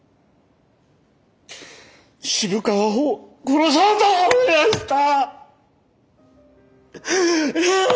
渋川を殺そうと思いました。